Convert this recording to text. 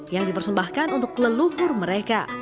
yang dipersembahkan untuk leluhur mereka